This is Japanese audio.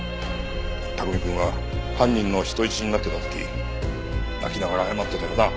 卓海くんは犯人の人質になっていた時泣きながら謝ってたよな。